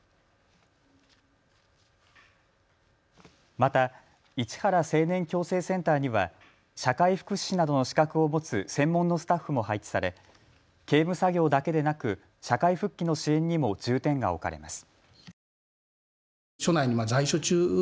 また市原青年矯正センターには社会福祉士などの資格を持つ専門のスタッフも配置され刑務作業だけでなく社会復帰の支援にも重点が置かれます。